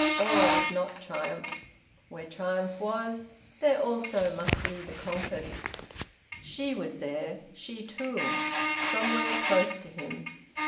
All was not triumph! Where triumph was, there also must be the conquered. She was there, she too! Somewhere, close to him.